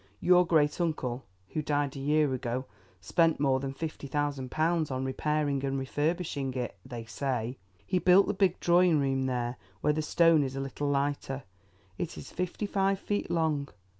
Your great uncle, who died a year ago, spent more than fifty thousand pounds on repairing and refurbishing it, they say. He built the big drawing room there, where the stone is a little lighter; it is fifty five feet long.